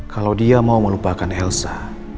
kalau dia mau melupakan helsa